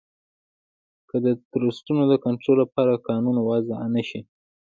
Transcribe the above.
که د ټرسټونو د کنترول لپاره قانون وضعه نه شي